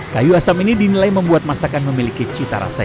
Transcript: kayu asam ini dinilai membuat masakan memiliki cita rasa